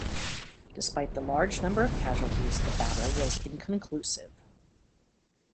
Despite the large number of casualties, the battle was inconclusive.